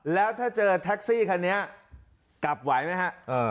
แล้วถ้าเจอแท็กซี่คันนี้กลับไหวไหมฮะ